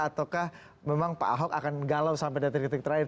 ataukah memang pak ahok akan galau sampai dari titik titik terakhir